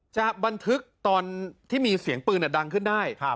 บันทึกตอนที่มีเสียงปืนดังขึ้นได้